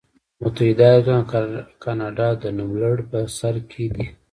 متحده ایالتونه او کاناډا په نوملړ کې په سر کې دي.